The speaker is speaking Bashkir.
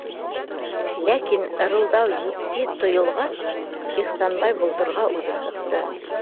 Ләкин... ырылдау етди тойолғас, Ихсанбай болдорға үҙе сыҡты.